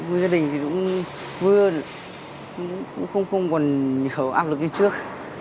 với gia đình thì cũng vừa không còn nhiều áp lực như trước